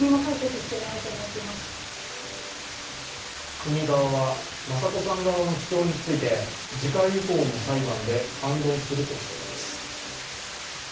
国側は雅子さん側の主張について次回以降の裁判で反論するとしています。